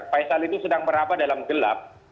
faisal itu sedang meraba dalam gelap